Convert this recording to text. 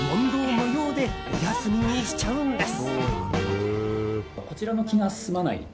無用でお休みにしちゃうんです。